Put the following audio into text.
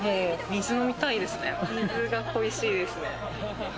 水が恋しいですね。